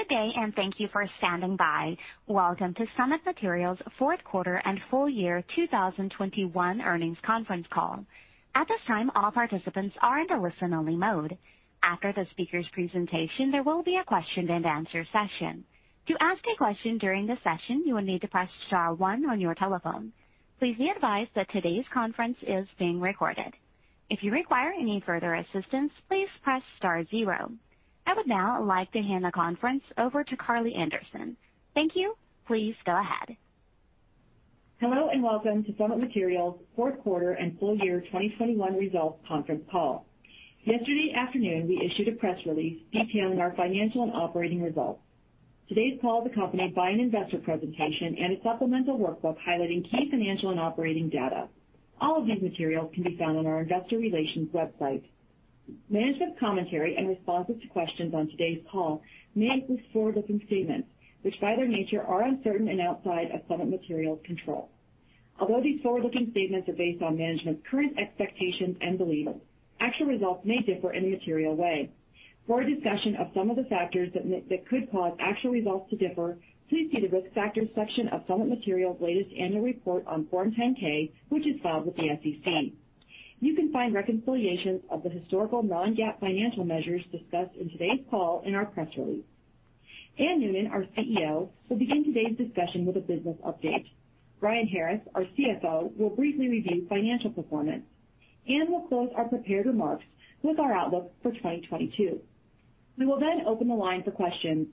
Good day, and thank you for standing by. Welcome to Summit Materials Fourth Quarter and Full Year 2021 Earnings Conference Call. At this time, all participants are in a listen-only mode. After the speaker's presentation, there will be a question-and-answer session. To ask a question during the session, you will need to press star one on your telephone. Please be advised that today's conference is being recorded. If you require any further assistance, please press star zero. I would now like to hand the conference over to Karli Anderson. Thank you. Please go ahead. Hello, and welcome to Summit Materials Fourth Quarter and Full Year 2021 Results Conference Call. Yesterday afternoon, we issued a press release detailing our financial and operating results. Today's call is accompanied by an investor presentation and a supplemental workbook highlighting key financial and operating data. All of these materials can be found on our investor relations website. Management commentary and responses to questions on today's call may include forward-looking statements which, by their nature, are uncertain and outside of Summit Materials' control. Although these forward-looking statements are based on management's current expectations and beliefs, actual results may differ in a material way. For a discussion of some of the factors that could cause actual results to differ, please see the Risk Factors section of Summit Materials' latest annual report on Form 10-K, which is filed with the SEC. You can find reconciliations of the historical non-GAAP financial measures discussed in today's call in our press release. Anne Noonan, our CEO, will begin today's discussion with a business update. Brian Harris, our CFO, will briefly review financial performance. Anne will close our prepared remarks with our outlook for 2022. We will then open the line for questions.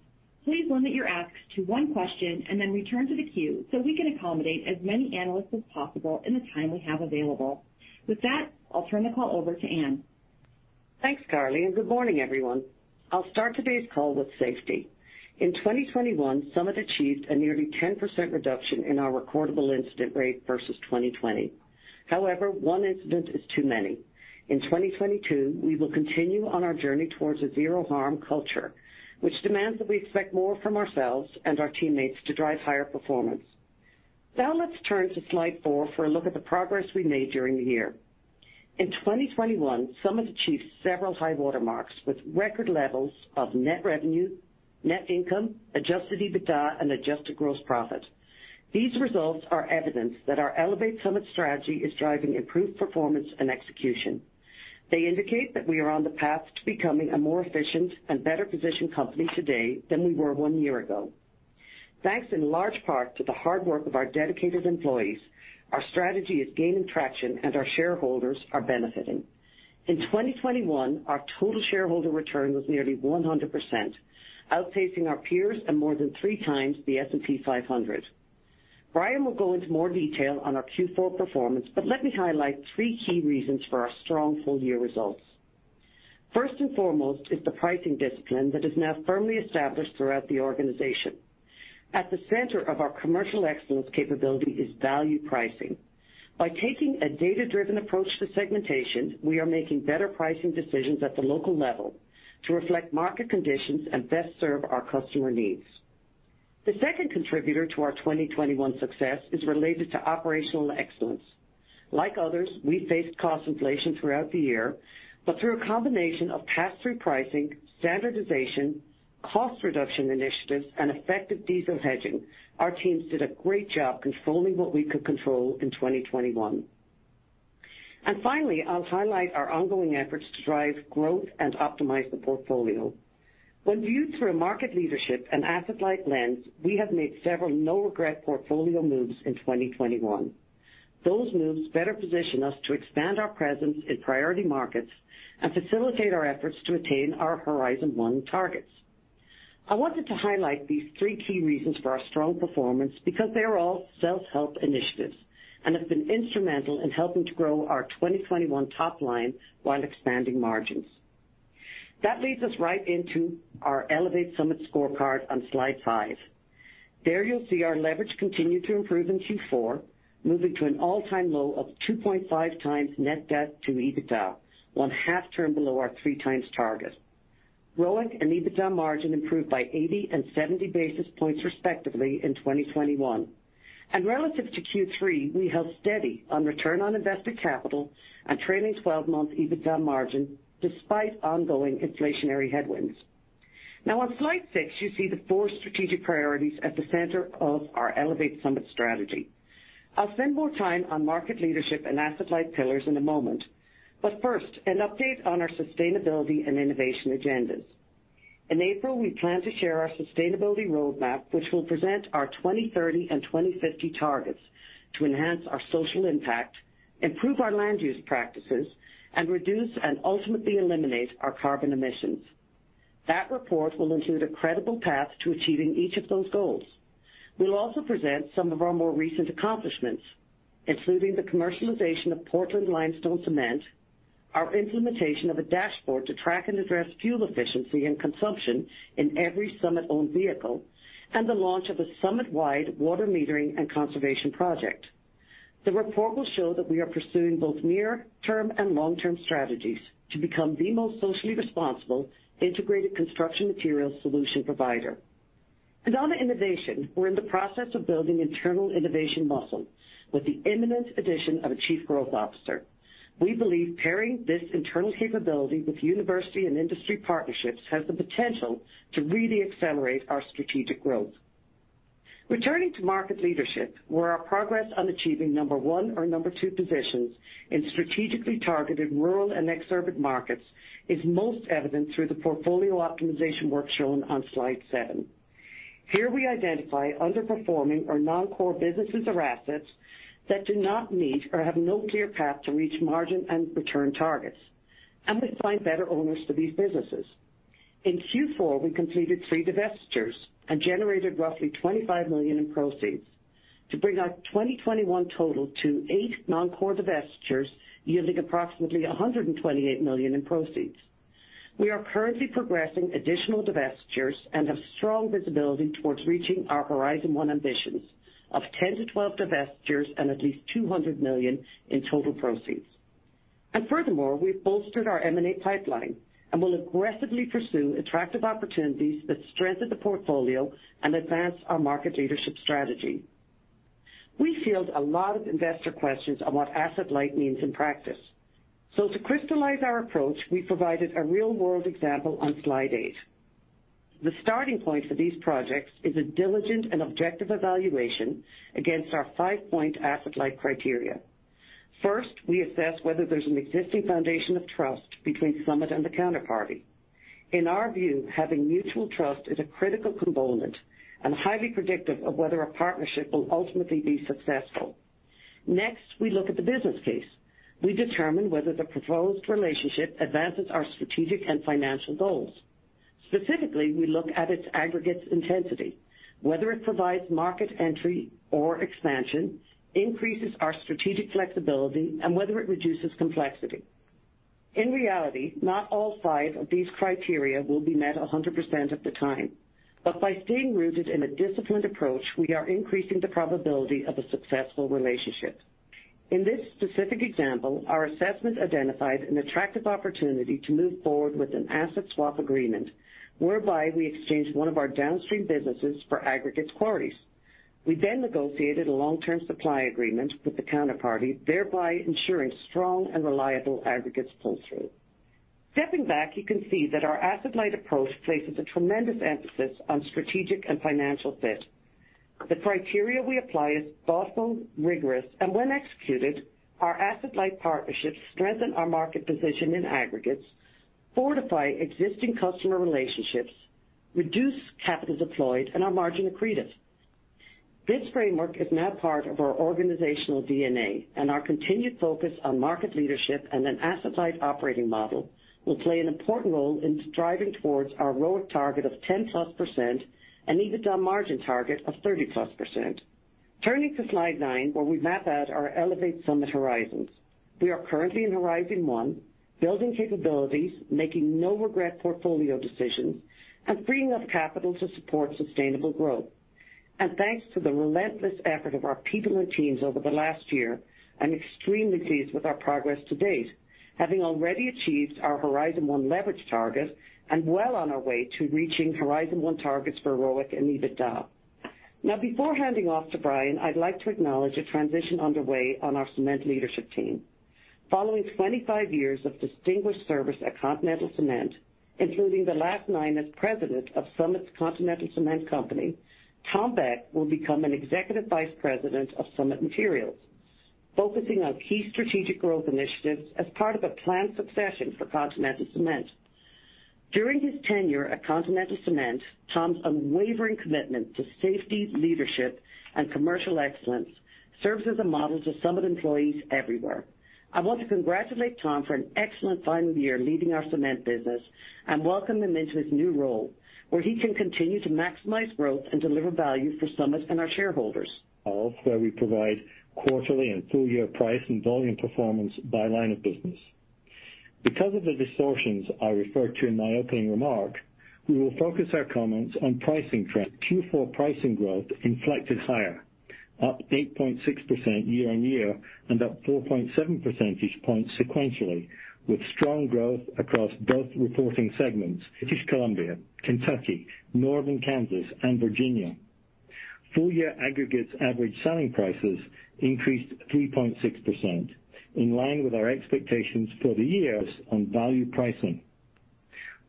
Please limit your asks to one question and then return to the queue so we can accommodate as many analysts as possible in the time we have available. With that, I'll turn the call over to Anne. Thanks, Karli, and good morning, everyone. I'll start today's call with safety. In 2021, Summit achieved a nearly 10% reduction in our recordable incident rate versus 2020. However, one incident is too many. In 2022, we will continue on our journey towards a zero harm culture, which demands that we expect more from ourselves and our teammates to drive higher performance. Now let's turn to slide four for a look at the progress we made during the year. In 2021, Summit achieved several high watermarks with record levels of net revenue, net income, adjusted EBITDA, and adjusted gross profit. These results are evidence that our Elevate Summit strategy is driving improved performance and execution. They indicate that we are on the path to becoming a more efficient and better-positioned company today than we were one year ago. Thanks in large part to the hard work of our dedicated employees, our strategy is gaining traction and our shareholders are benefiting. In 2021, our total shareholder return was nearly 100%, outpacing our peers and more than three times the S&P 500. Brian will go into more detail on our Q4 performance, but let me highlight three key reasons for our strong full-year results. First and foremost is the pricing discipline that is now firmly established throughout the organization. At the center of our commercial excellence capability is value pricing. By taking a data-driven approach to segmentation, we are making better pricing decisions at the local level to reflect market conditions and best serve our customer needs. The second contributor to our 2021 success is related to operational excellence. Like others, we faced cost inflation throughout the year, but through a combination of pass-through pricing, standardization, cost reduction initiatives, and effective diesel hedging, our teams did a great job controlling what we could control in 2021. Finally, I'll highlight our ongoing efforts to drive growth and optimize the portfolio. When viewed through a market leadership and asset-light lens, we have made several no-regret portfolio moves in 2021. Those moves better position us to expand our presence in priority markets and facilitate our efforts to attain our Horizon One targets. I wanted to highlight these three key reasons for our strong performance because they are all self-help initiatives and have been instrumental in helping to grow our 2021 top line while expanding margins. That leads us right into our Elevate Summit scorecard on slide five. There you'll see our leverage continued to improve in Q4, moving to an all-time low of 2.5 times net debt to EBITDA, one half-term below our three times target. ROIC and EBITDA margin improved by 80 and 70 basis points, respectively, in 2021. Relative to Q3, we held steady on return on invested capital and trailing twelve-month EBITDA margin despite ongoing inflationary headwinds. Now on slide six, you see the four strategic priorities at the center of our Elevate Summit strategy. I'll spend more time on market leadership and asset-light pillars in a moment, but first, an update on our sustainability and innovation agendas. In April, we plan to share our sustainability roadmap, which will present our 2030 and 2050 targets to enhance our social impact, improve our land use practices, and reduce and ultimately eliminate our carbon emissions. That report will include a credible path to achieving each of those goals. We'll also present some of our more recent accomplishments, including the commercialization of Portland Limestone Cement, our implementation of a dashboard to track and address fuel efficiency and consumption in every Summit-owned vehicle, and the launch of a Summit-wide water metering and conservation project. The report will show that we are pursuing both near-term and long-term strategies to become the most socially responsible integrated construction materials solution provider. On the innovation, we're in the process of building internal innovation muscle with the imminent addition of a chief growth officer. We believe pairing this internal capability with university and industry partnerships has the potential to really accelerate our strategic growth. Returning to market leadership, where our progress on achieving number one or number two positions in strategically targeted rural and exurban markets is most evident through the portfolio optimization work shown on slide seven. Here we identify underperforming or non-core businesses or assets that do not meet or have no clear path to reach margin and return targets, and we find better owners for these businesses. In Q4, we completed three divestitures and generated roughly $25 million in proceeds to bring our 2021 total to eight non-core divestitures, yielding approximately $128 million in proceeds. We are currently progressing additional divestitures and have strong visibility towards reaching our Horizon One ambitions of 10-12 divestitures and at least $200 million in total proceeds. Furthermore, we've bolstered our M&A pipeline and will aggressively pursue attractive opportunities that strengthen the portfolio and advance our market leadership strategy. We field a lot of investor questions on what asset light means in practice. To crystallize our approach, we provided a real-world example on slide eight. The starting point for these projects is a diligent and objective evaluation against our five-point asset light criteria. First, we assess whether there's an existing foundation of trust between Summit and the counterparty. In our view, having mutual trust is a critical component and highly predictive of whether a partnership will ultimately be successful. Next, we look at the business case. We determine whether the proposed relationship advances our strategic and financial goals. Specifically, we look at its aggregates intensity, whether it provides market entry or expansion, increases our strategic flexibility, and whether it reduces complexity. In reality, not all five of these criteria will be met 100% of the time. by staying rooted in a disciplined approach, we are increasing the probability of a successful relationship. In this specific example, our assessment identified an attractive opportunity to move forward with an asset swap agreement whereby we exchanged one of our downstream businesses for aggregates quarries. We then negotiated a long-term supply agreement with the counterparty, thereby ensuring strong and reliable aggregates pull-through. Stepping back, you can see that our asset-light approach places a tremendous emphasis on strategic and financial fit. The criteria we apply is thoughtful, rigorous, and when executed, our asset-light partnerships strengthen our market position in aggregates, fortify existing customer relationships, reduce capital deployed, and are margin accretive. This framework is now part of our organizational DNA, and our continued focus on market leadership and an asset-light operating model will play an important role in striving towards our ROIC target of 10%+ and EBITDA margin target of 30%+. Turning to slide nine, where we map out our Elevate Summit Horizons. We are currently in Horizon One, building capabilities, making no-regret portfolio decisions, and freeing up capital to support sustainable growth. Thanks to the relentless effort of our people and teams over the last year, I'm extremely pleased with our progress to date, having already achieved our Horizon One leverage target and well on our way to reaching Horizon One targets for ROIC and EBITDA. Now, before handing off to Brian, I'd like to acknowledge a transition underway on our cement leadership team. Following 25 years of distinguished service at Continental Cement, including the last nine as President of Summit's Continental Cement Company, Tom Beck will become an Executive Vice President of Summit Materials, focusing on key strategic growth initiatives as part of a planned succession for Continental Cement. During his tenure at Continental Cement, Tom's unwavering commitment to safety, leadership, and commercial excellence serves as a model to Summit employees everywhere. I want to congratulate Tom for an excellent final year leading our cement business and welcome him into his new role, where he can continue to maximize growth and deliver value for Summit and our shareholders. Also, where we provide quarterly and full-year price and volume performance by line of business. Because of the distortions I referred to in my opening remark, we will focus our comments on pricing trends. Q4 pricing growth inflected higher, up 8.6% year-on-year and up 4.7 percentage points sequentially, with strong growth across both reporting segments: British Columbia, Kentucky, Northern Kansas, and Virginia. Full-year aggregates average selling prices increased 3.6%, in line with our expectations for the year on value pricing.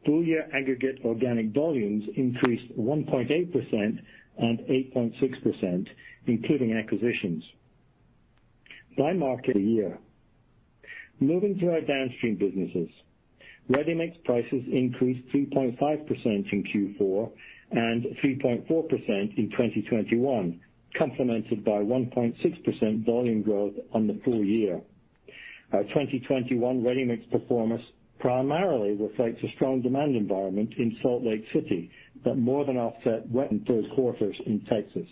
Full-year aggregate organic volumes increased 1.8% and 8.6%, including acquisitions. By market area. Moving to our downstream businesses. Ready-mix prices increased 3.5% in Q4 and 3.4% in 2021, complemented by 1.6% volume growth on the full year. Our 2021 ready-mix performance primarily reflects a strong demand environment in Salt Lake City that more than offset wet in third quarters in Texas.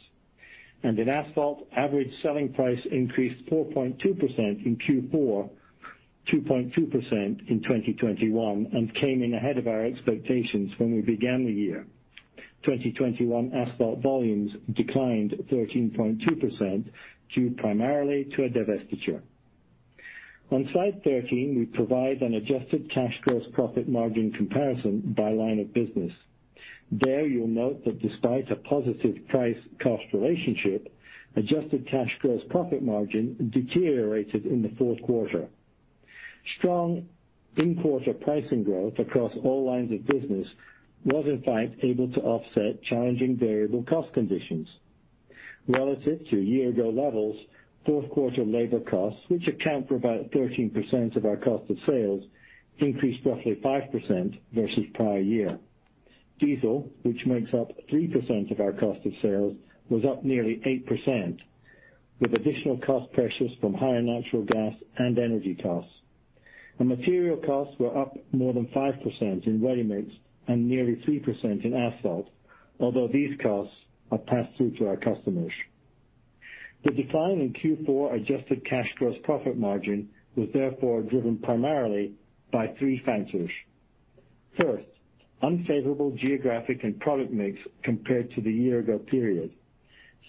In asphalt, average selling price increased 4.2% in Q4, 2.2% in 2021, and came in ahead of our expectations when we began the year. 2021 asphalt volumes declined 13.2% due primarily to a divestiture. On slide 13, we provide an adjusted cash gross profit margin comparison by line of business. There you'll note that despite a positive price cost relationship, adjusted cash gross profit margin deteriorated in the fourth quarter. Strong in-quarter pricing growth across all lines of business was in fact able to offset challenging variable cost conditions. Relative to year ago levels, fourth quarter labor costs, which account for about 13% of our cost of sales, increased roughly 5% versus prior year. Diesel, which makes up 3% of our cost of sales, was up nearly 8%, with additional cost pressures from higher natural gas and energy costs. Material costs were up more than 5% in ready-mix and nearly 3% in asphalt, although these costs are passed through to our customers. The decline in Q4 adjusted cash gross profit margin was therefore driven primarily by three factors. First, unfavorable geographic and product mix compared to the year ago period.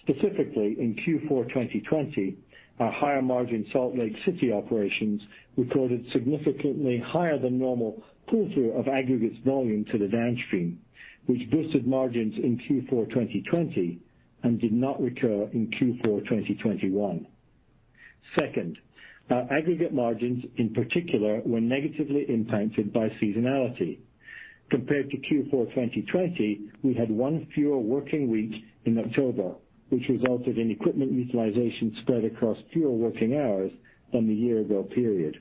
Specifically, in Q4 2020, our higher margin Salt Lake City operations recorded significantly higher than normal pull-through of aggregates volume to the downstream, which boosted margins in Q4 2020 and did not recur in Q4 2021. Second, our aggregate margins, in particular, were negatively impacted by seasonality. Compared to Q4 2020, we had one fewer working week in October, which resulted in equipment utilization spread across fewer working hours than the year ago period.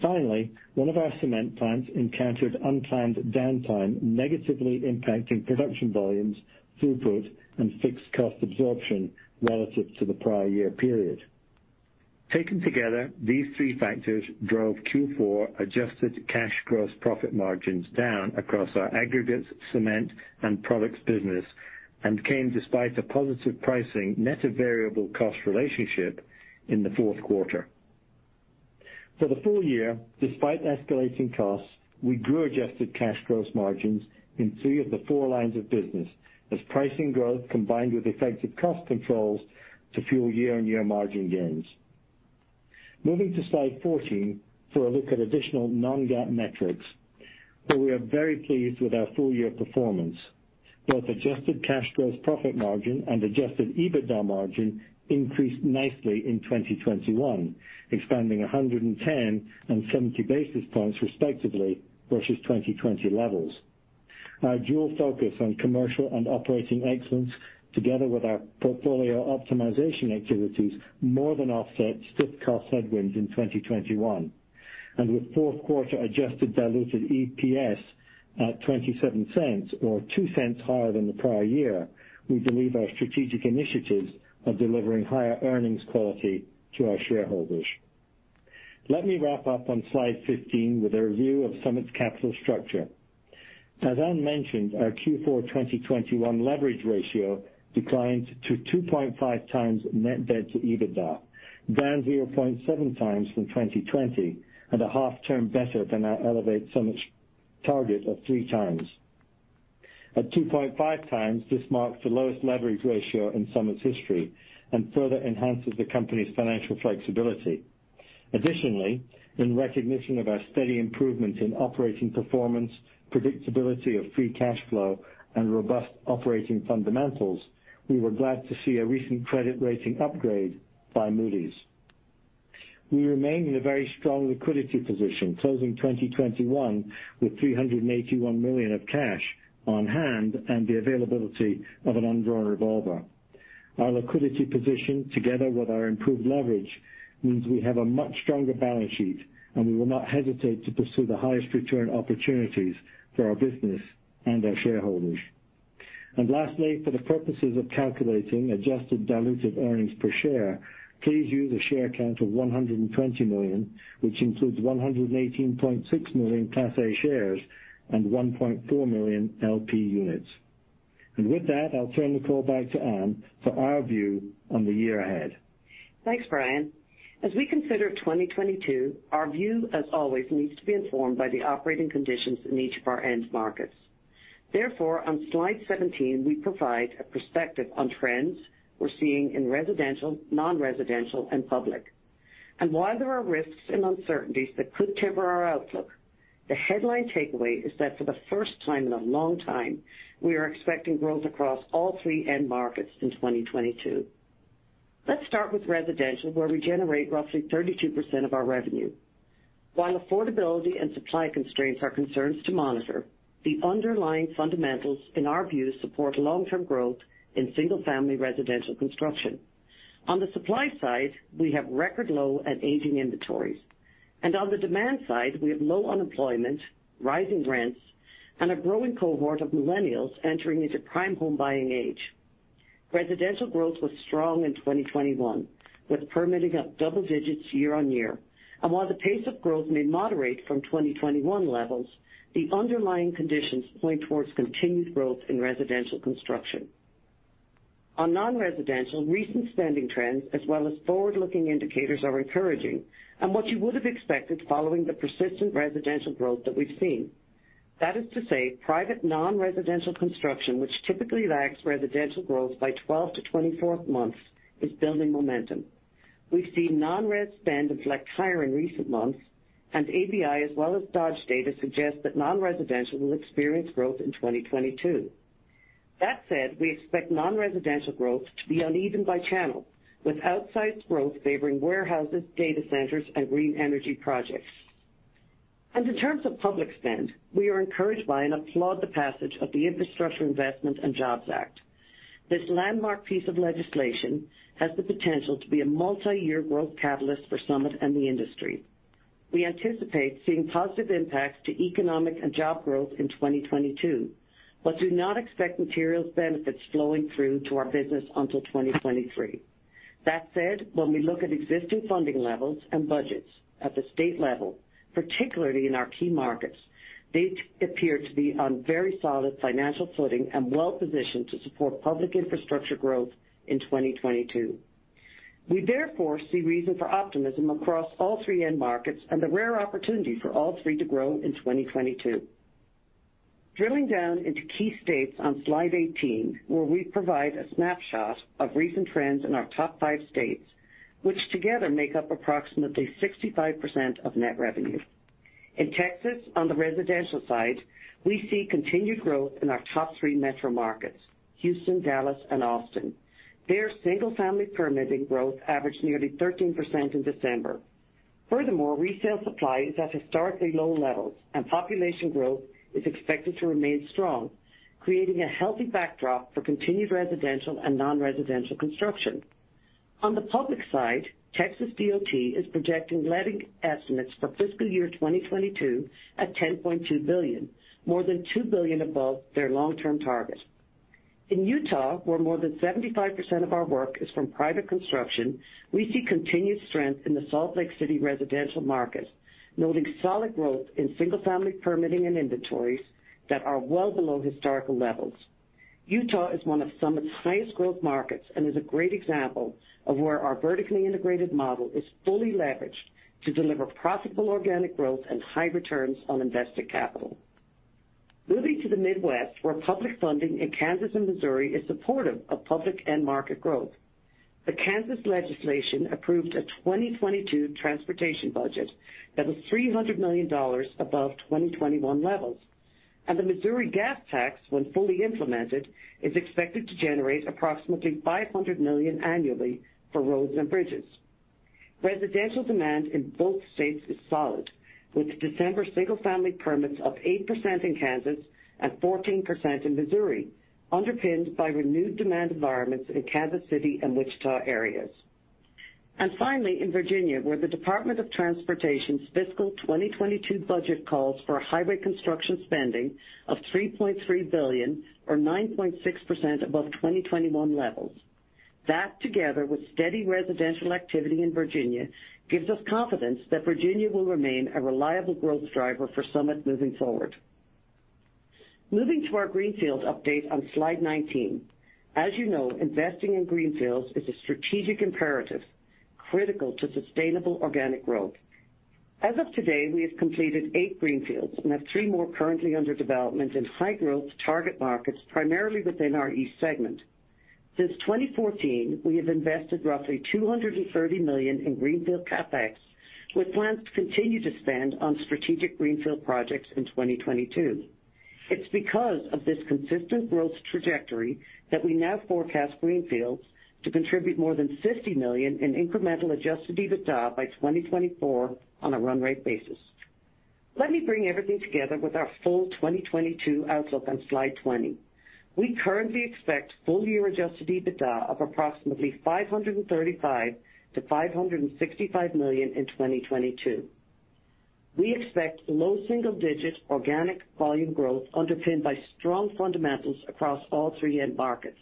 Finally, one of our cement plants encountered unplanned downtime, negatively impacting production volumes, throughput, and fixed cost absorption relative to the prior year period. Taken together, these three factors drove Q4 adjusted cash gross profit margins down across our aggregates, cement, and products business, and came despite a positive pricing net of variable cost relationship in the fourth quarter. For the full year, despite escalating costs, we grew adjusted cash gross margins in three of the four lines of business as pricing growth combined with effective cost controls to fuel year-on-year margin gains. Moving to slide 14 for a look at additional non-GAAP metrics, where we are very pleased with our full year performance. Both adjusted cash gross profit margin and adjusted EBITDA margin increased nicely in 2021, expanding 110 and 70 basis points respectively versus 2020 levels. Our dual focus on commercial and operating excellence, together with our portfolio optimization activities, more than offset stiff cost headwinds in 2021. With fourth quarter adjusted diluted EPS at $0.27 or $0.02 higher than the prior year, we believe our strategic initiatives are delivering higher earnings quality to our shareholders. Let me wrap up on slide 15 with a review of Summit's capital structure. As Anne mentioned, our Q4 2021 leverage ratio declined to 2.5 times net debt to EBITDA, down 0.7 times from 2020 and half a turn better than our Elevate Summit's target of three times. At 2.5x, this marks the lowest leverage ratio in Summit's history and further enhances the company's financial flexibility. Additionally, in recognition of our steady improvement in operating performance, predictability of free cash flow, and robust operating fundamentals, we were glad to see a recent credit rating upgrade by Moody's. We remain in a very strong liquidity position, closing 2021 with $381 million of cash on hand and the availability of an undrawn revolver. Our liquidity position, together with our improved leverage, means we have a much stronger balance sheet, and we will not hesitate to pursue the highest return opportunities for our business and our shareholders. Lastly, for the purposes of calculating adjusted diluted earnings per share, please use a share count of 120 million, which includes 118.6 million Class A shares and 1.4 million LP units. With that, I'll turn the call back to Anne for our view on the year ahead. Thanks, Brian. As we consider 2022, our view, as always, needs to be informed by the operating conditions in each of our end markets. Therefore, on slide 17, we provide a perspective on trends we're seeing in residential, non-residential, and public. While there are risks and uncertainties that could temper our outlook, the headline takeaway is that for the first time in a long time, we are expecting growth across all three end markets in 2022. Let's start with residential, where we generate roughly 32% of our revenue. While affordability and supply constraints are concerns to monitor, the underlying fundamentals, in our view, support long-term growth in single-family residential construction. On the supply side, we have record low and aging inventories. On the demand side, we have low unemployment, rising rents, and a growing cohort of millennials entering into prime home buying age. Residential growth was strong in 2021, with permitting up double digits year on year. While the pace of growth may moderate from 2021 levels, the underlying conditions point towards continued growth in residential construction. On non-residential, recent spending trends as well as forward-looking indicators are encouraging and what you would have expected following the persistent residential growth that we've seen. That is to say private non-residential construction, which typically lags residential growth by 12-24 months, is building momentum. We see non-res spend reflect higher in recent months, and ABI as well as Dodge data suggests that non-residential will experience growth in 2022. That said, we expect non-residential growth to be uneven by channel, with outsized growth favoring warehouses, data centers, and green energy projects. In terms of public spend, we are encouraged by and applaud the passage of the Infrastructure Investment and Jobs Act. This landmark piece of legislation has the potential to be a multiyear growth catalyst for Summit and the industry. We anticipate seeing positive impacts to economic and job growth in 2022, but do not expect materials benefits flowing through to our business until 2023. That said, when we look at existing funding levels and budgets at the state level, particularly in our key markets, they appear to be on very solid financial footing and well-positioned to support public infrastructure growth in 2022. We therefore see reason for optimism across all three end markets and the rare opportunity for all three to grow in 2022. Drilling down into key states on slide 18, where we provide a snapshot of recent trends in our top five states, which together make up approximately 65% of net revenue. In Texas, on the residential side, we see continued growth in our top three metro markets, Houston, Dallas, and Austin. Their single-family permitting growth averaged nearly 13% in December. Furthermore, resale supply is at historically low levels, and population growth is expected to remain strong, creating a healthy backdrop for continued residential and non-residential construction. On the public side, Texas DOT is projecting letting estimates for fiscal year 2022 at $10.2 billion, more than $2 billion above their long-term target. In Utah, where more than 75% of our work is from private construction, we see continued strength in the Salt Lake City residential market, noting solid growth in single-family permitting and inventories that are well below historical levels. Utah is one of Summit's highest growth markets and is a great example of where our vertically integrated model is fully leveraged to deliver profitable organic growth and high returns on invested capital. Moving to the Midwest, where public funding in Kansas and Missouri is supportive of public and market growth. The Kansas legislation approved a 2022 transportation budget that was $300 million above 2021 levels, and the Missouri gas tax, when fully implemented, is expected to generate approximately $500 million annually for roads and bridges. Residential demand in both states is solid, with December single-family permits up 8% in Kansas and 14% in Missouri, underpinned by renewed demand environments in Kansas City and Wichita areas. Finally, in Virginia, where the Virginia Department of Transportation's fiscal 2022 budget calls for highway construction spending of $3.3 billion or 9.6% above 2021 levels. That, together with steady residential activity in Virginia, gives us confidence that Virginia will remain a reliable growth driver for Summit moving forward. Moving to our greenfields update on slide 19. As you know, investing in greenfields is a strategic imperative, critical to sustainable organic growth. As of today, we have completed eight greenfields and have three more currently under development in high-growth target markets, primarily within our East segment. Since 2014, we have invested roughly $230 million in greenfield CapEx, with plans to continue to spend on strategic greenfield projects in 2022. It's because of this consistent growth trajectory that we now forecast greenfields to contribute more than $50 million in incremental adjusted EBITDA by 2024 on a run rate basis. Let me bring everything together with our full 2022 outlook on slide 20. We currently expect full year adjusted EBITDA of approximately $535 million-$565 million in 2022. We expect low single-digit organic volume growth underpinned by strong fundamentals across all three end markets.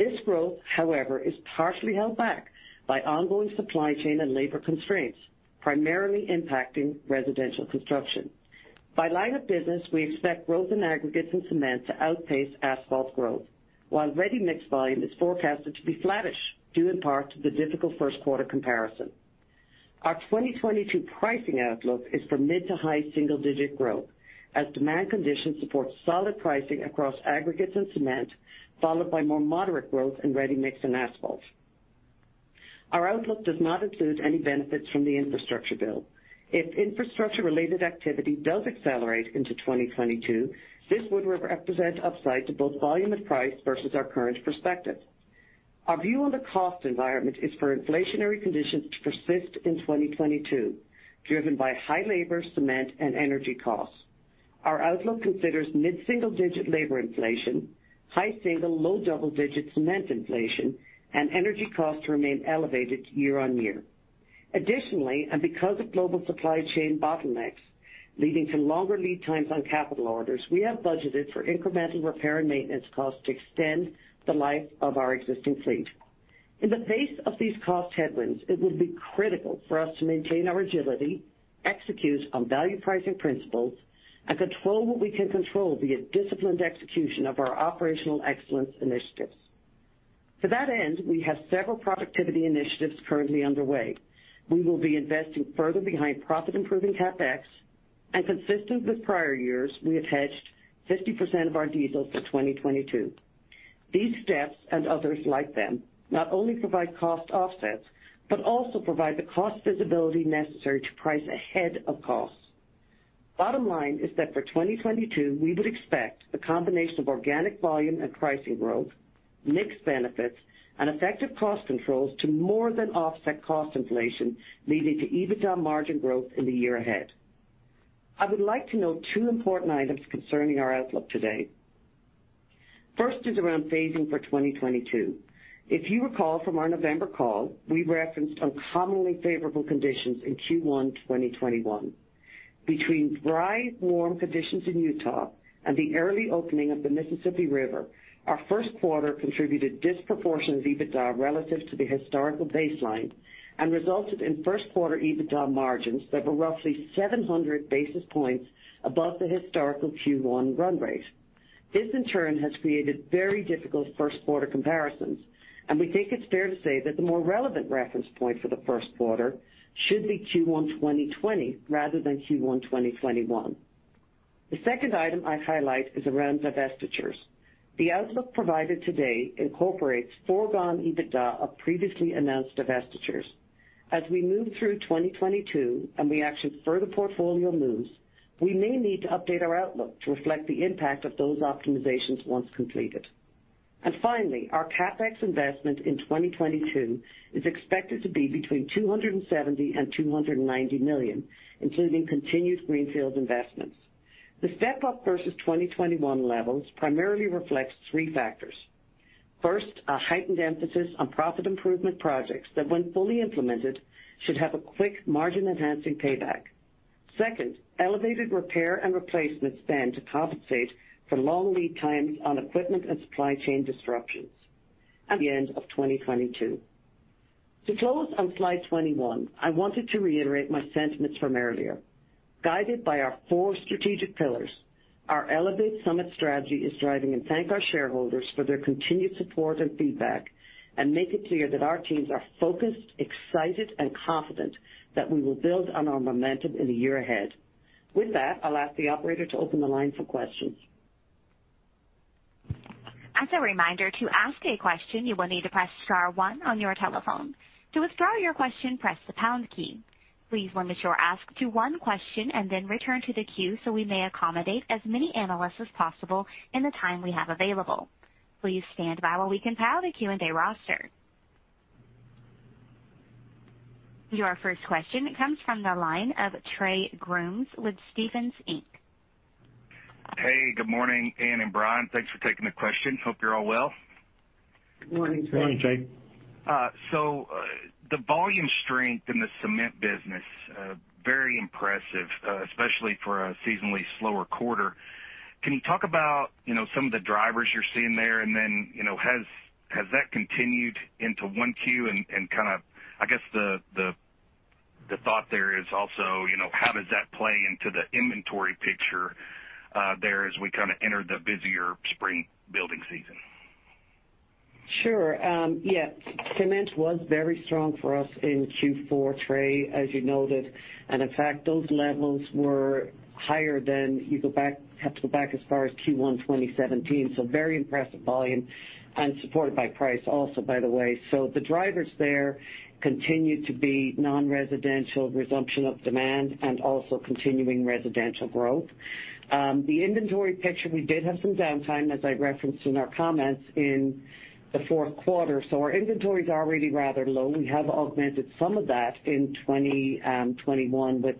This growth, however, is partially held back by ongoing supply chain and labor constraints, primarily impacting residential construction. By line of business, we expect growth in aggregates and cement to outpace asphalt growth, while ready mix volume is forecasted to be flattish, due in part to the difficult first quarter comparison. Our 2022 pricing outlook is for mid- to high single-digit growth as demand conditions support solid pricing across aggregates and cement, followed by more moderate growth in ready mix and asphalt. Our outlook does not include any benefits from the infrastructure bill. If infrastructure related activity does accelerate into 2022, this would represent upside to both volume and price versus our current perspective. Our view on the cost environment is for inflationary conditions to persist in 2022, driven by high labor, cement, and energy costs. Our outlook considers mid-single-digit labor inflation, high single- to low double-digit cement inflation, and energy costs remain elevated year-on-year. Additionally, and because of global supply chain bottlenecks leading to longer lead times on capital orders, we have budgeted for incremental repair and maintenance costs to extend the life of our existing fleet. In the face of these cost headwinds, it will be critical for us to maintain our agility, execute on value pricing principles, and control what we can control via disciplined execution of our operational excellence initiatives. To that end, we have several profitability initiatives currently underway. We will be investing further behind profit-improving CapEx, and consistent with prior years, we have hedged 50% of our diesel for 2022. These steps and others like them not only provide cost offsets, but also provide the cost visibility necessary to price ahead of costs. Bottom line is that for 2022, we would expect a combination of organic volume and pricing growth, mix benefits, and effective cost controls to more than offset cost inflation, leading to EBITDA margin growth in the year ahead. I would like to note two important items concerning our outlook today. First is around phasing for 2022. If you recall from our November call, we referenced uncommonly favorable conditions in Q1 2021. Between dry, warm conditions in Utah and the early opening of the Mississippi River, our first quarter contributed disproportionate EBITDA relative to the historical baseline and resulted in first quarter EBITDA margins that were roughly 700 basis points above the historical Q1 run rate. This, in turn, has created very difficult first quarter comparisons, and we think it's fair to say that the more relevant reference point for the first quarter should be Q1 2020 rather than Q1 2021. The second item I highlight is around divestitures. The outlook provided today incorporates foregone EBITDA of previously announced divestitures. As we move through 2022 and we action further portfolio moves, we may need to update our outlook to reflect the impact of those optimizations once completed. Finally, our CapEx investment in 2022 is expected to be between $270 million and $290 million, including continued greenfield investments. The step up versus 2021 levels primarily reflects three factors. First, a heightened emphasis on profit improvement projects that when fully implemented, should have a quick margin-enhancing payback. Second, elevated repair and replacement spend to compensate for long lead times on equipment and supply chain disruptions at the end of 2022. To close on slide 21, I wanted to reiterate my sentiments from earlier. Guided by our four strategic pillars, our Elevate Summit strategy is driving, and thank our shareholders for their continued support and feedback, and make it clear that our teams are focused, excited, and confident that we will build on our momentum in the year ahead. With that, I'll ask the operator to open the line for questions. As a reminder, to ask a question, you will need to press star one on your telephone. To withdraw your question, press the pound key. Please limit your ask to one question and then return to the queue so we may accommodate as many analysts as possible in the time we have available. Please stand by while we compile the Q&A roster. Your first question comes from the line of Trey Grooms with Stephens Inc. Hey, good morning, Anne and Brian. Thanks for taking the question. Hope you're all well. Good morning, Trey. Good morning, Trey. The volume strength in the cement business very impressive, especially for a seasonally slower quarter. Can you talk about, you know, some of the drivers you're seeing there? You know, has that continued into 1Q and kind of I guess the thought there is also, you know, how does that play into the inventory picture there as we kinda enter the busier spring building season? Sure. Yeah, cement was very strong for us in Q4, Trey, as you noted. In fact, those levels were higher than you have to go back as far as Q1 2017, so very impressive volume, and supported by price also, by the way. The drivers there continue to be non-residential resumption of demand and also continuing residential growth. The inventory picture, we did have some downtime, as I referenced in our comments in the fourth quarter. Our inventories are really rather low. We have augmented some of that in 2021 with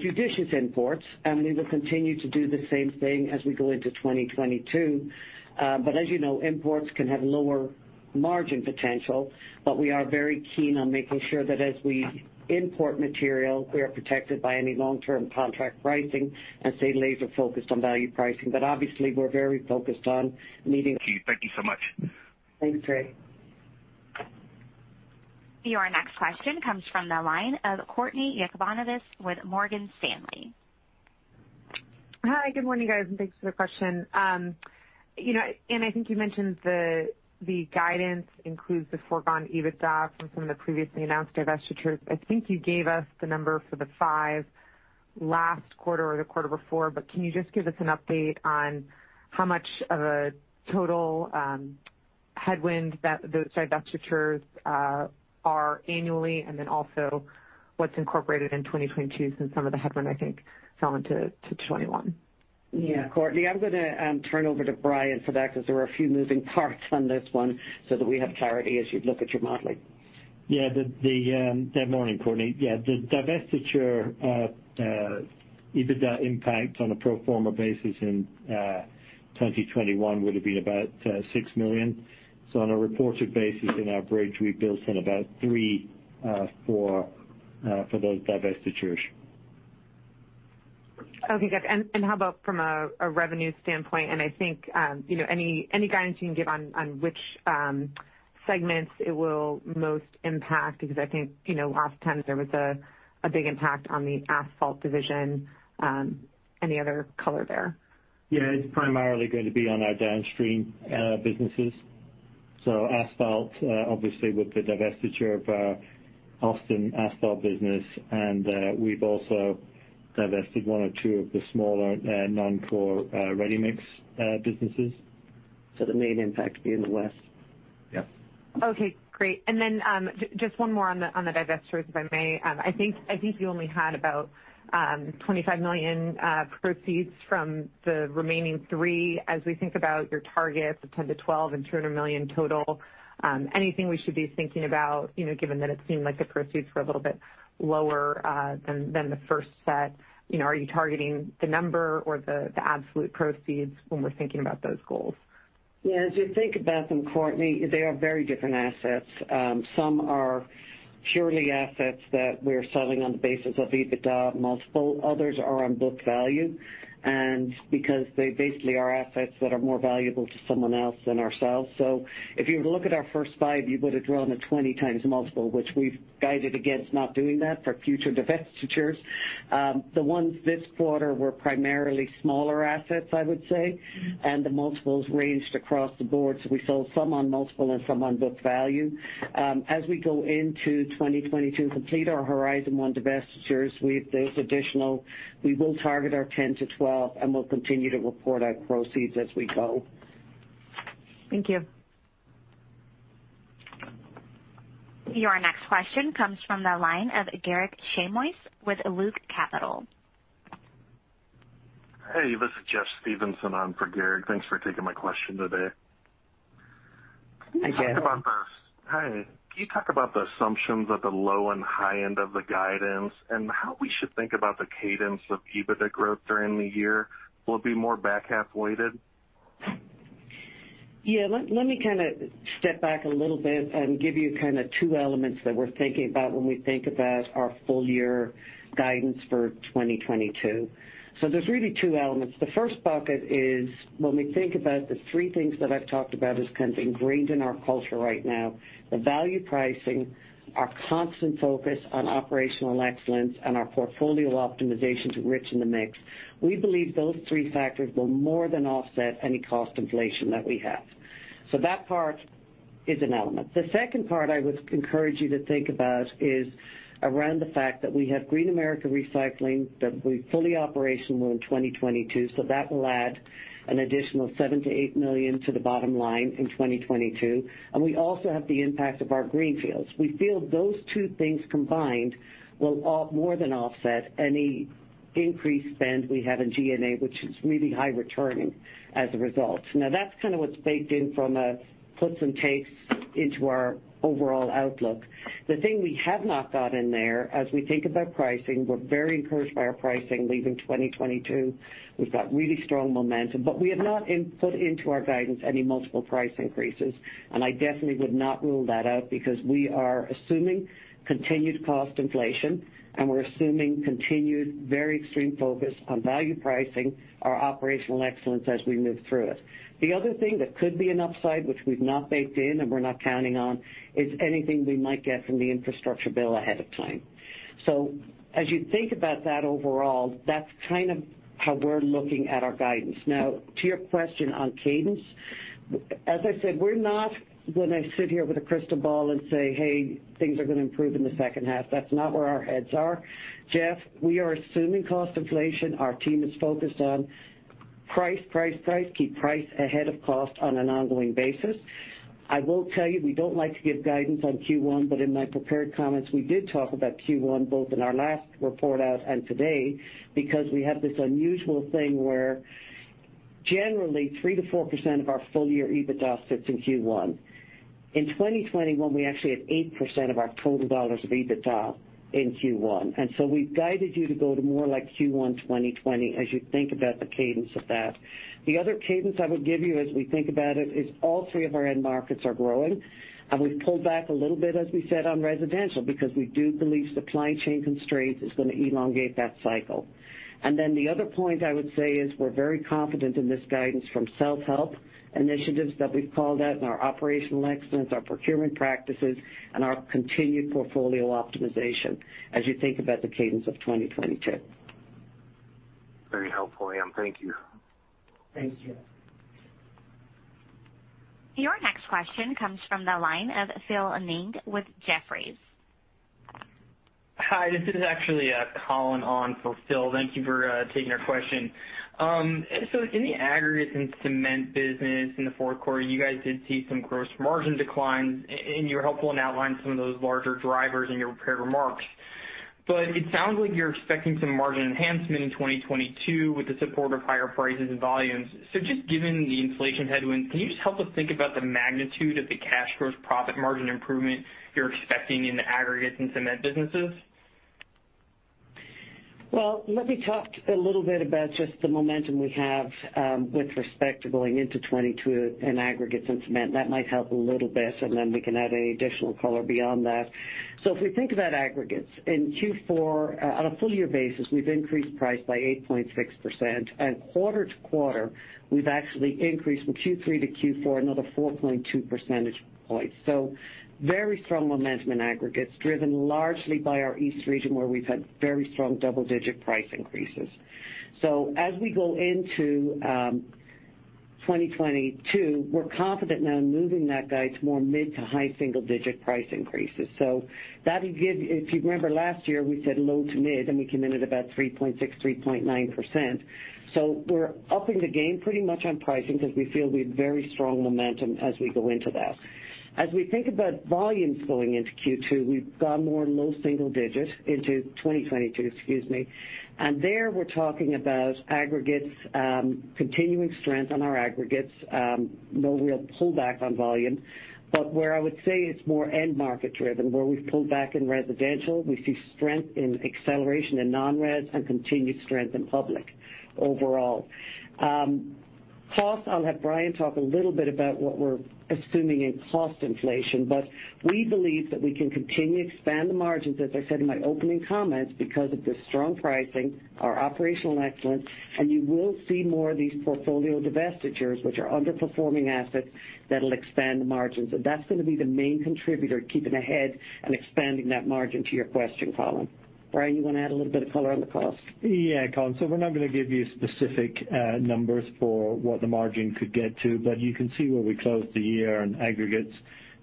judicious imports, and we will continue to do the same thing as we go into 2022. As you know, imports can have lower margin potential, but we are very keen on making sure that as we import material, we are protected by any long-term contract pricing and stay laser-focused on value pricing. Obviously, we're very focused on meeting- Thank you so much. Thanks, Trey. Your next question comes from the line of Courtney Yakavonis with Morgan Stanley. Hi, good morning, guys, and thanks for the question. You know, Anne, I think you mentioned the guidance includes the foregone EBITDA from some of the previously announced divestitures. I think you gave us the number for the five last quarter or the quarter before, but can you just give us an update on how much of a total headwind that those divestitures are annually, and then also what's incorporated in 2022 since some of the headwind, I think, fell into 2021? Yeah. Courtney, I'm gonna turn over to Brian for that because there were a few moving parts on this one so that we have clarity as you look at your modeling. Good morning, Courtney. Yeah, the divestiture EBITDA impact on a pro forma basis in 2021 would have been about $6 million. On a reported basis in our bridge, we've built in about $3-$4 million for those divestitures. Okay, good. How about from a revenue standpoint? I think, you know, any guidance you can give on which segments it will most impact because I think, you know, last time there was a big impact on the asphalt division. Any other color there? Yeah, it's primarily going to be on our downstream businesses. Asphalt, obviously with the divestiture of our Austin asphalt business, and we've also divested one or two of the smaller, non-core, ready-mix businesses. The main impact will be in the West. Yes. Okay, great. Then just one more on the divestitures, if I may. I think you only had about $25 million proceeds from the remaining three. As we think about your targets of $10 million-$12 million and $200 million total, anything we should be thinking about, you know, given that it seemed like the proceeds were a little bit lower than the first set? You know, are you targeting the number or the absolute proceeds when we're thinking about those goals? Yeah. As you think about them, Courtney, they are very different assets. Some are purely assets that we're selling on the basis of EBITDA multiple. Others are on book value, and because they basically are assets that are more valuable to someone else than ourselves. If you look at our first five, you would have drawn a 20x multiple, which we've guided against not doing that for future divestitures. The ones this quarter were primarily smaller assets, I would say, and the multiples ranged across the board. We sold some on multiple and some on book value. As we go into 2022 to complete our horizon on divestitures, those additional, we will target our 10-12, and we'll continue to report our proceeds as we go. Thank you. Your next question comes from the line of Garik Shmois with Loop Capital. Hey, this is Jeff Stevenson on for Garik. Thanks for taking my question today. Hey, Jeff. Hi. Can you talk about the assumptions at the low and high end of the guidance and how we should think about the cadence of EBITDA growth during the year? Will it be more back half-weighted? Yeah. Let me kinda step back a little bit and give you kinda two elements that we're thinking about when we think about our full-year guidance for 2022. There's really two elements. The first bucket is when we think about the three things that I've talked about as kind of ingrained in our culture right now, the value pricing, our constant focus on operational excellence, and our portfolio optimization to enrich the mix. We believe those three factors will more than offset any cost inflation that we have. That part is an element. The second part I would encourage you to think about is around the fact that we have Green America Recycling that will be fully operational in 2022, so that will add an additional $7 million-$8 million to the bottom line in 2022. We also have the impact of our greenfields. We feel those two things combined will more than offset any increased spend we have in G&A, which is really high returning as a result. Now, that's kind of what's baked in from a puts and takes into our overall outlook. The thing we have not got in there as we think about pricing, we're very encouraged by our pricing leaving 2022. We've got really strong momentum, but we have not put into our guidance any multiple price increases. I definitely would not rule that out because we are assuming continued cost inflation, and we're assuming continued very extreme focus on value pricing, our operational excellence as we move through it. The other thing that could be an upside, which we've not baked in and we're not counting on, is anything we might get from the infrastructure bill ahead of time. As you think about that overall, that's kind of how we're looking at our guidance. Now, to your question on cadence, as I said, we're not gonna sit here with a crystal ball and say, "Hey, things are gonna improve in the second half." That's not where our heads are. Jeff, we are assuming cost inflation. Our team is focused on price, price. Keep price ahead of cost on an ongoing basis. I will tell you, we don't like to give guidance on Q1, but in my prepared comments, we did talk about Q1 both in our last report out and today because we have this unusual thing where generally 3%-4% of our full year EBITDA sits in Q1. In 2021, we actually had 8% of our total dollars of EBITDA in Q1. We've guided you to go to more like Q1 2020 as you think about the cadence of that. The other cadence I would give you as we think about it is all three of our end markets are growing, and we've pulled back a little bit, as we said, on residential because we do believe supply chain constraints is gonna elongate that cycle. The other point I would say is we're very confident in this guidance from self-help initiatives that we've called out in our operational excellence, our procurement practices, and our continued portfolio optimization as you think about the cadence of 2022. Very helpful, Anne. Thank you. Thanks, Jeff. Your next question comes from the line of Phil Ng with Jefferies. Hi, this is actually, Colin on for Phil. Thank you for taking our question. In the aggregate and cement business in the fourth quarter, you guys did see some gross margin declines. You were helpful in outlining some of those larger drivers in your prepared remarks. It sounds like you're expecting some margin enhancement in 2022 with the support of higher prices and volumes. Just given the inflation headwinds, can you just help us think about the magnitude of the cash gross profit margin improvement you're expecting in the aggregates and cement businesses? Well, let me talk a little bit about just the momentum we have with respect to going into 2022 in aggregates and cement. That might help a little bit, and then we can add any additional color beyond that. If we think about aggregates, in Q4, on a full year basis, we've increased price by 8.6%, and quarter-over-quarter, we've actually increased from Q3 to Q4 another 4.2 percentage points. Very strong momentum in aggregates, driven largely by our East region, where we've had very strong double-digit price increases. As we go into 2022, we're confident now in moving that guide to more mid- to high-single-digit price increases. That'll give. If you remember last year, we said low- to mid-, and we came in at about 3.6, 3.9%. We're upping the game pretty much on pricing because we feel we have very strong momentum as we go into that. As we think about volumes going into Q2, we've grown more low single digit into 2022, excuse me. There, we're talking about aggregates, continuing strength on our aggregates, no real pullback on volume. Where I would say it's more end market-driven, where we've pulled back in residential, we see strength and acceleration in non-res and continued strength in public overall. Cost, I'll have Brian talk a little bit about what we're assuming in cost inflation, but we believe that we can continue to expand the margins, as I said in my opening comments, because of the strong pricing, our operational excellence, and you will see more of these portfolio divestitures, which are underperforming assets that'll expand the margins. That's gonna be the main contributor, keeping ahead and expanding that margin to your question, Colin. Brian, you wanna add a little bit of color on the cost? Yeah, Colin. We're not gonna give you specific numbers for what the margin could get to, but you can see where we closed the year in aggregates,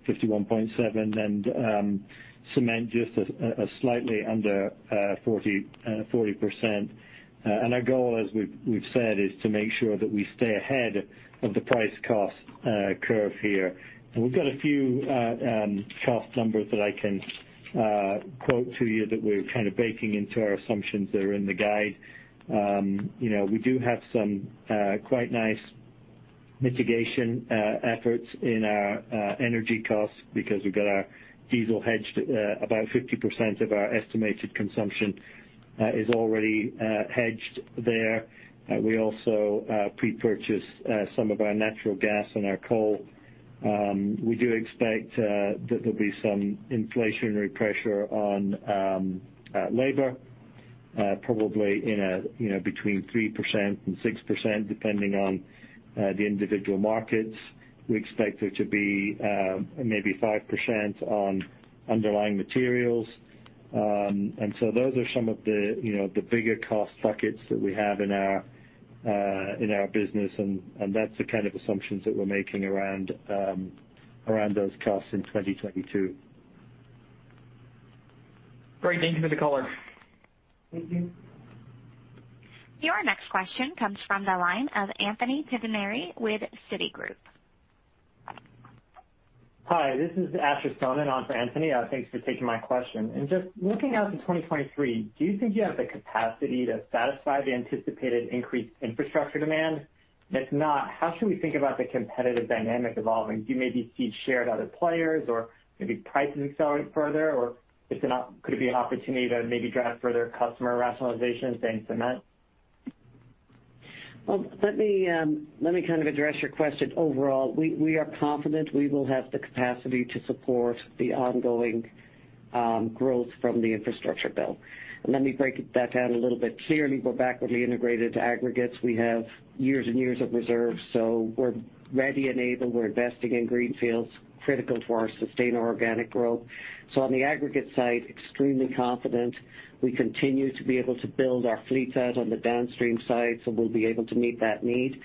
51.7%, and cement just slightly under 40%. Our goal, as we've said, is to make sure that we stay ahead of the price cost curve here. We've got a few cost numbers that I can quote to you that we're kind of baking into our assumptions that are in the guide. You know, we do have some quite nice mitigation efforts in our energy costs because we've got our diesel hedged. About 50% of our estimated consumption is already hedged there. We also pre-purchase some of our natural gas and our coal. We do expect that there'll be some inflationary pressure on labor, probably, you know, between 3% and 6%, depending on the individual markets. We expect there to be maybe 5% on underlying materials. Those are some of the, you know, the bigger cost buckets that we have in our business, and that's the kind of assumptions that we're making around those costs in 2022. Great. Thank you for the color. Thank you. Your next question comes from the line of Anthony Pettinari with Citigroup. Hi, this is Asher Sohn in for Anthony. Thanks for taking my question. Just looking out to 2023, do you think you have the capacity to satisfy the anticipated increased infrastructure demand? If not, how should we think about the competitive dynamic evolving? Do you maybe see shared other players or maybe pricing accelerate further? Or if not, could it be an opportunity to maybe drive further customer rationalization thanks to that? Well, let me kind of address your question overall. We are confident we will have the capacity to support the ongoing growth from the infrastructure bill. Let me break that down a little bit. Clearly, we're backwardly integrated to aggregates. We have years and years of reserves, so we're ready and able. We're investing in greenfields, critical to our sustained organic growth. On the aggregate side, extremely confident. We continue to be able to build our fleets out on the downstream side, so we'll be able to meet that need.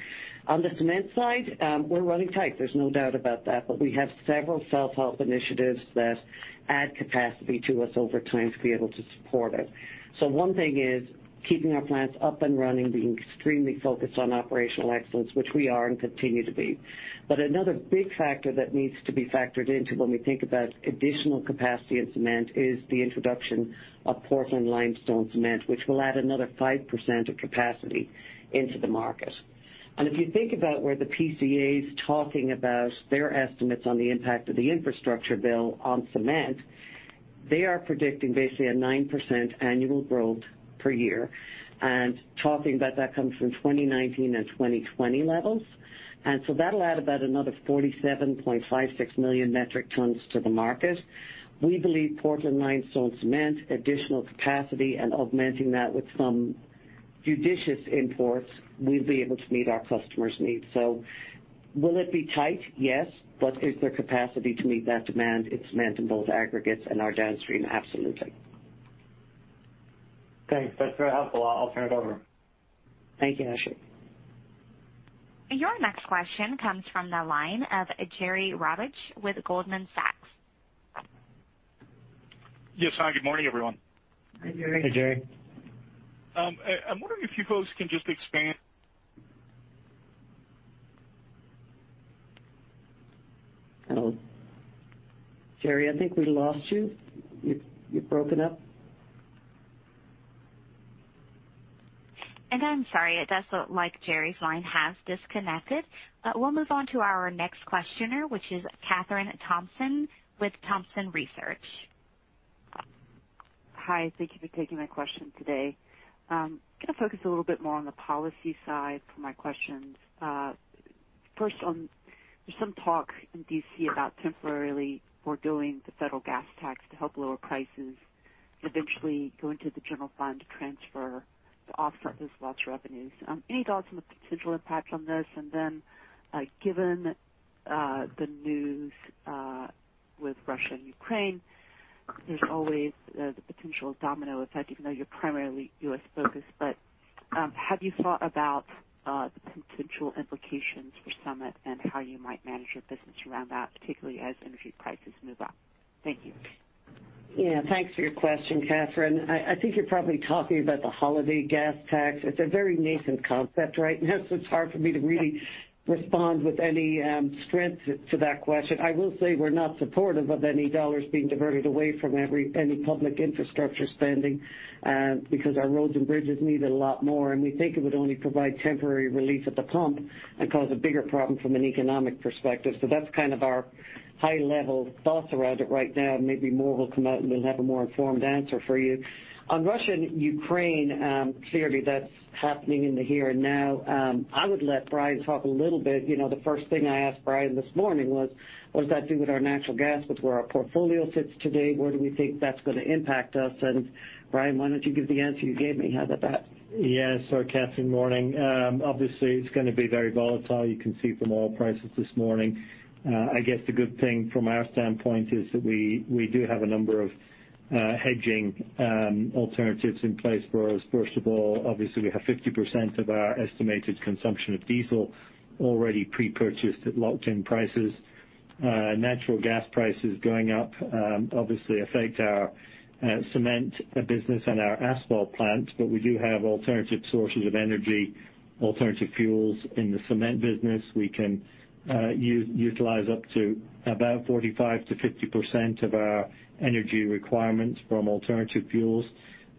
On the cement side, we're running tight. There's no doubt about that. We have several self-help initiatives that add capacity to us over time to be able to support it. One thing is keeping our plants up and running, being extremely focused on operational excellence, which we are and continue to be. Another big factor that needs to be factored into when we think about additional capacity in cement is the introduction of Portland Limestone Cement, which will add another 5% of capacity into the market. If you think about where the PCA is talking about their estimates on the impact of the infrastructure bill on cement, they are predicting basically a 9% annual growth per year and talking about that comes from 2019 and 2020 levels. That'll add about another 47.56 million metric tons to the market. We believe Portland Limestone Cement, additional capacity and augmenting that with some judicious imports, we'll be able to meet our customers' needs. Will it be tight? Yes. Is there capacity to meet that demand in cement, in both aggregates and our downstream? Absolutely. Thanks. That's very helpful. I'll turn it over. Thank you, Asher. Your next question comes from the line of Jerry Revich with Goldman Sachs. Yes, hi, Good morning, everyone. Hi, Jerry. Hi, Jerry. I'm wondering if you folks can just expand- Jerry, I think we lost you. You, you've broken up. I'm sorry, it does look like Jerry Revich's line has disconnected. We'll move on to our next questioner, which is Kathryn Thompson with Thompson Research. Hi. Thank you for taking my question today. Gonna focus a little bit more on the policy side for my questions. First on some talk in D.C. about temporarily forgoing the federal gas tax to help lower prices, eventually go into the general fund transfer to offset those lost revenues. Any thoughts on the potential impact on this? Then, given the news with Russia and Ukraine, there's always the potential domino effect even though you're primarily U.S. focused. Have you thought about the potential implications for Summit and how you might manage your business around that, particularly as energy prices move up? Thank you. Yeah, thanks for your question, Kathryn Thompson. I think you're probably talking about the holiday gas tax. It's a very nascent concept right now, so it's hard for me to really respond with any strength to that question. I will say we're not supportive of any dollars being diverted away from any public infrastructure spending, because our roads and bridges need a lot more, and we think it would only provide temporary relief at the pump and cause a bigger problem from an economic perspective. That's kind of our high level thoughts around it right now. Maybe more will come out, and we'll have a more informed answer for you. On Russia and Ukraine, clearly that's happening in the here and now. I would let Brian Harris talk a little bit. You know, the first thing I asked Brian this morning was, what does that do with our natural gas? With where our portfolio sits today, where do we think that's gonna impact us? Brian, why don't you give the answer you gave me. How about that? Yes. Kathryn, morning, obviously it's gonna be very volatile. You can see from oil prices this morning. I guess the good thing from our standpoint is that we do have a number of hedging alternatives in place for us. First of all, obviously we have 50% of our estimated consumption of diesel already pre-purchased at locked in prices. Natural gas prices going up obviously affect our cement business and our asphalt plant, but we do have alternative sources of energy, alternative fuels. In the cement business, we can utilize up to about 45%-50% of our energy requirements from alternative fuels,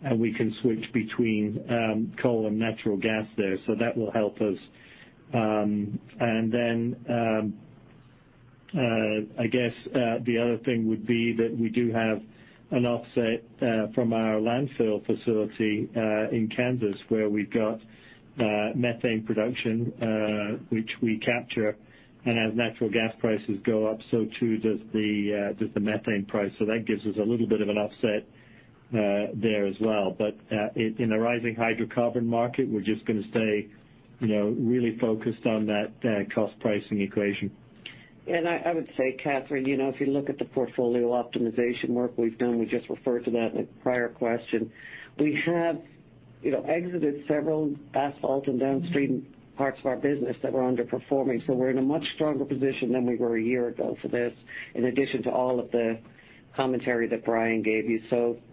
and we can switch between coal and natural gas there. That will help us. I guess the other thing would be that we do have an offset from our landfill facility in Kansas where we've got methane production which we capture. As natural gas prices go up, so too does the methane price. That gives us a little bit of an offset there as well. In a rising hydrocarbon market, we're just gonna stay you know really focused on that cost pricing equation. I would say, Kathryn, you know, if you look at the portfolio optimization work we've done, we just referred to that in a prior question. We have, you know, exited several asphalt and downstream parts of our business that were underperforming, so we're in a much stronger position than we were a year ago for this, in addition to all of the commentary that Brian gave you.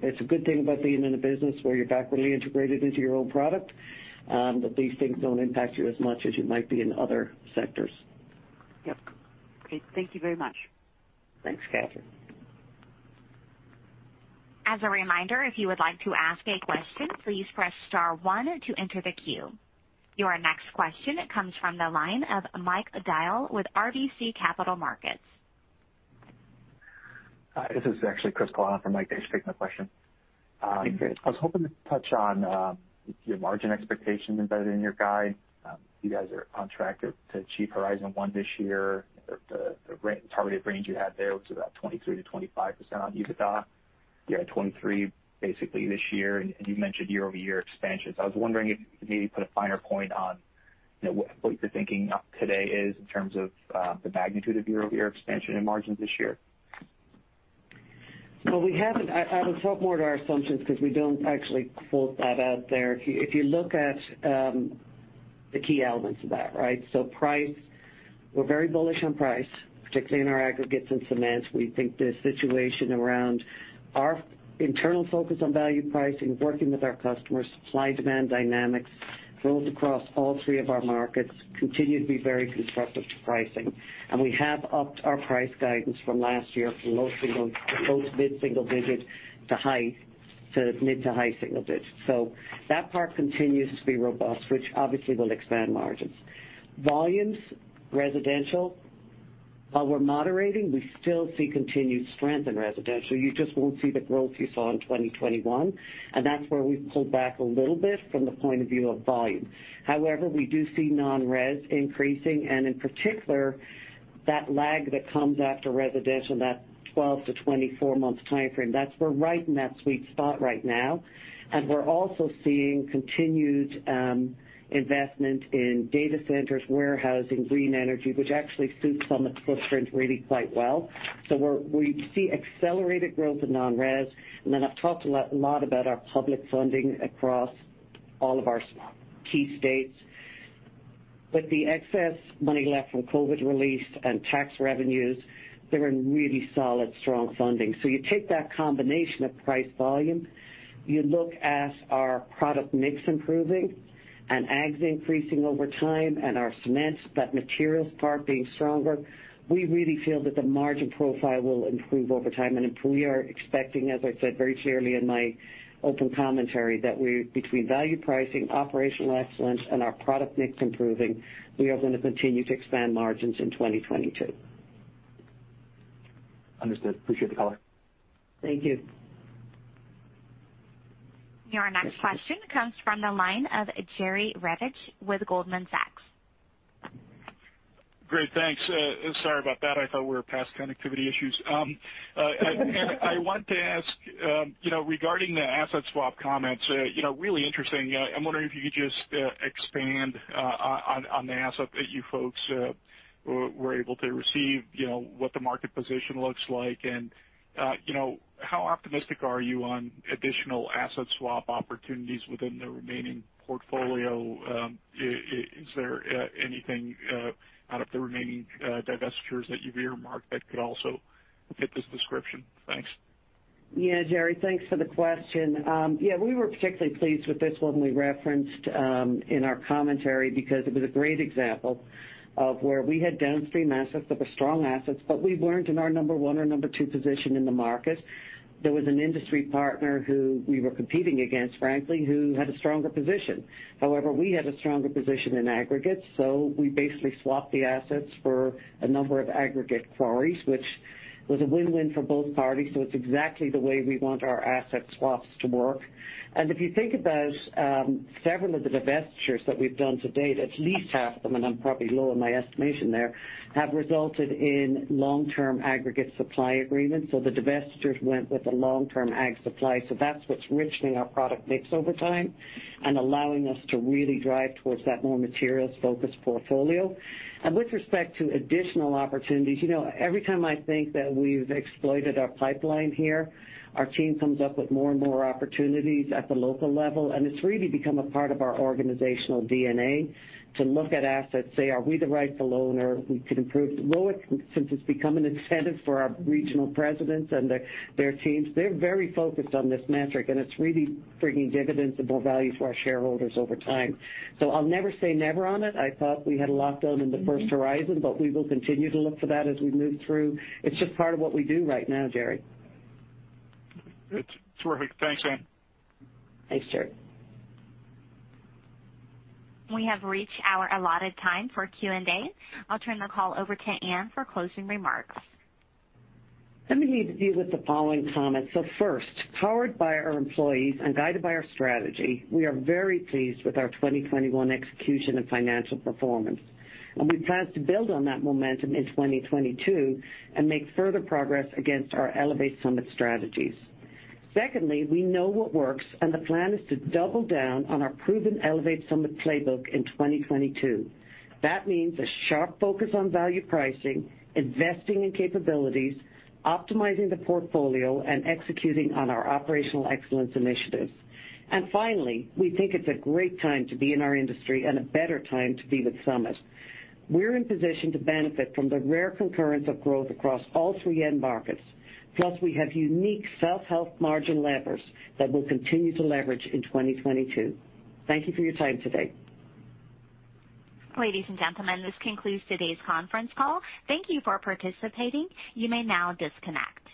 It's a good thing about being in a business where you're backwardly integrated into your own product, that these things don't impact you as much as you might be in other sectors. Yep. Great. Thank you very much. Thanks, Kathryn. As a reminder, if you would like to ask a question, please press star one to enter the queue. Your next question comes from the line of Mike Dahl with RBC Capital Markets. Hi, this is actually Chris for Mike. Thanks for taking the question. Thank you. I was hoping to touch on your margin expectations embedded in your guide. You guys are on track to achieve horizon one this year. The targeted range you had there was about 23%-25% on EBITDA. You had 23% basically this year, and you mentioned year-over-year expansions. I was wondering if you could maybe put a finer point on, you know, what your thinking today is in terms of the magnitude of year-over-year expansion and margins this year. Well, I will talk more to our assumptions 'cause we don't actually pull that out there. If you look at the key elements of that, right? Price, we're very bullish on price, particularly in our aggregates and cements. We think the situation around our internal focus on value pricing, working with our customers, supply demand dynamics, growth across all three of our markets continue to be very constructive to pricing. We have upped our price guidance from last year from low single close to mid-single digit to mid to high single digits. That part continues to be robust, which obviously will expand margins. Volumes, residential, while we're moderating, we still see continued strength in residential. You just won't see the growth you saw in 2021, and that's where we've pulled back a little bit from the point of view of volume. However, we do see non-res increasing and in particular that lag that comes after residential, that 12-24 month timeframe. That's. We're right in that sweet spot right now. We're also seeing continued investment in data centers, warehousing, green energy, which actually suits Summit's footprint really quite well. We see accelerated growth in non-res. I've talked a lot about our public funding across all of our key states. With the excess money left from COVID release and tax revenues, they're in really solid, strong funding. You take that combination of price volume, you look at our product mix improving and aggs increasing over time and our cements, that materials part being stronger. We really feel that the margin profile will improve over time. We are expecting, as I said very clearly in my open commentary, that between value pricing, operational excellence, and our product mix improving, we are gonna continue to expand margins in 2022. Understood. Appreciate the color. Thank you. Your next question comes from the line of Jerry Revich with Goldman Sachs. Great, thanks. Sorry about that. I thought we were past connectivity issues. I want to ask, you know, regarding the asset swap comments, you know, really interesting. I'm wondering if you could just expand on the asset that you folks were able to receive, you know, what the market position looks like and, you know, how optimistic are you on additional asset swap opportunities within the remaining portfolio? Is there anything out of the remaining divestitures that you've earmarked that could also fit this description? Thanks. Yeah, Jerry, thanks for the question. Yeah, we were particularly pleased with this one we referenced in our commentary because it was a great example of where we had downstream assets that were strong assets, but we weren't in our one or two position in the market. There was an industry partner who we were competing against, frankly, who had a stronger position. However, we had a stronger position in aggregate, so we basically swapped the assets for a number of aggregate quarries, which was a win-win for both parties. It's exactly the way we want our asset swaps to work. If you think about several of the divestitures that we've done to date, at least half of them, and I'm probably low in my estimation there, have resulted in long-term aggregate supply agreements. The divestitures went with the long-term agg supply. That's what's richening our product mix over time and allowing us to really drive towards that more materials-focused portfolio. With respect to additional opportunities, you know, every time I think that we've exploited our pipeline here, our team comes up with more and more opportunities at the local level, and it's really become a part of our organizational DNA to look at assets, say, are we the rightful owner? We can improve the asset since it's become an incentive for our regional presidents and their teams. They're very focused on this metric, and it's really bringing dividends and more value for our shareholders over time. I'll never say never on it. I thought we had a lot done in the first horizon, but we will continue to look for that as we move through. It's just part of what we do right now, Jerry. It's terrific. Thanks, Anne. Thanks, Jerry. We have reached our allotted time for Q&A. I'll turn the call over to Anne for closing remarks. Let me leave you with the following comments. First, powered by our employees and guided by our strategy, we are very pleased with our 2021 execution and financial performance. We plan to build on that momentum in 2022 and make further progress against our Elevate Summit strategies. Secondly, we know what works, and the plan is to double down on our proven Elevate Summit playbook in 2022. That means a sharp focus on value pricing, investing in capabilities, optimizing the portfolio, and executing on our operational excellence initiatives. Finally, we think it's a great time to be in our industry and a better time to be with Summit. We're in position to benefit from the rare concurrence of growth across all three end markets. Plus, we have unique self-help margin levers that we'll continue to leverage in 2022. Thank you for your time today. Ladies and gentlemen, this concludes today's conference call. Thank you for participating. You may now disconnect.